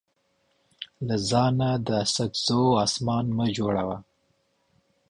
له ځانه د اڅکزو اسمان مه جوړوه.